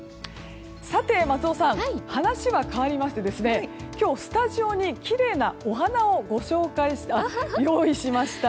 さて、松尾さん話しは変わりまして今日スタジオにきれいなお花を用意しました。